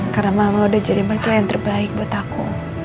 karena mama udah jadi mertua yang terbaik buat aku